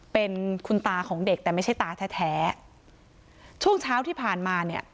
เป็นคุณตาของเด็กแต่ไม่ใช่ตาแท้แท้ช่วงเช้าที่ผ่านมาเนี่ย